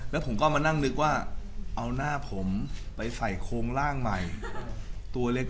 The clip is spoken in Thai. แล้วผมก็มานั่งนึกว่าเอาหน้าผมไปใส่โครงร่างใหม่ตัวเล็ก